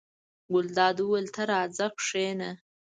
ګلداد وویل: ته راځه کېنه.